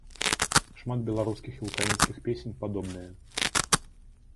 Шмат беларускіх і ўкраінскіх песень падобныя.